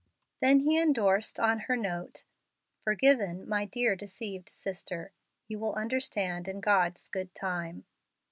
Then he indorsed on her note, "Forgiven, my dear, deceived sister. You will understand in God's good time."